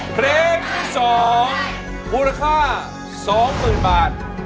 เพลงที่๒มูลค่า๒๐๐๐บาท